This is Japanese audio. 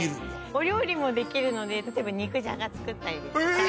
お料理もできるので例えば肉じゃが作ったりですとか。